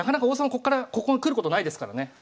こっからここに来ることないですからね。